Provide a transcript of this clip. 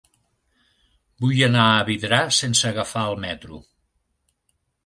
Vull anar a Vidrà sense agafar el metro.